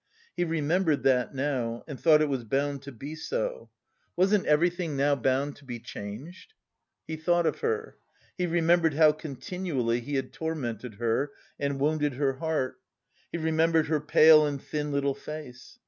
He remembered that now, and thought it was bound to be so. Wasn't everything now bound to be changed? He thought of her. He remembered how continually he had tormented her and wounded her heart. He remembered her pale and thin little face.